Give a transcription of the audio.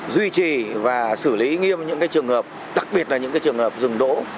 duy trì và xử lý nghiêm những trường hợp đặc biệt là những trường hợp rừng đỗ